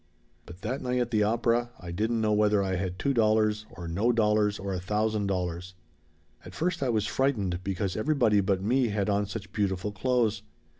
"But that night at the opera I didn't know whether I had two dollars, or no dollars, or a thousand dollars. At first I was frightened because everybody but me had on such beautiful clothes.